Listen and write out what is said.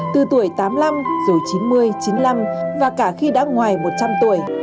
từ tuổi tám mươi năm rồi chín mươi chín mươi năm và cả khi đã ngoài một trăm linh tuổi